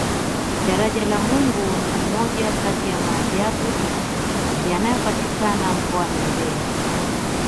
daraja la mungu ni moja Kati ya maajabu yanayopatikana mkoani mbeya